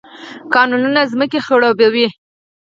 کانالونه ځمکې خړوبوي